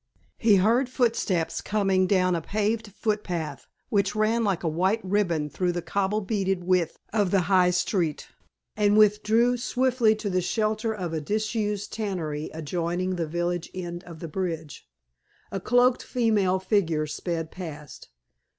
He heard footsteps coming down a paved footpath which ran like a white riband through the cobble beaded width of the high street, and withdrew swiftly to the shelter of a disused tannery adjoining the village end of the bridge. A cloaked female figure sped past.